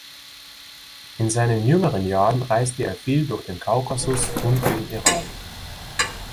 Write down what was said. In seinen jüngeren Jahren reiste er viel durch den Kaukasus und den Iran.